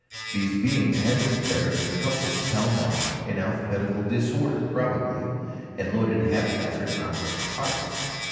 These beings had been fettered and coupled pell mell, in alphabetical disorder, probably, and loaded hap hazard on those carts.